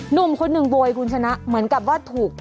หนุ่มคนหนึ่งโวยคุณชนะเหมือนกับว่าถูก